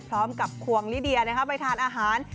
พร้อมกับควงลิเดียไปทานอาหาร